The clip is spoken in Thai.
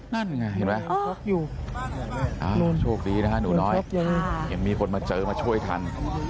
นั่นไงเห็นไหมโชคดีนะคะหนูน้อยเห็นมีคนมาเจอมาช่วยทัน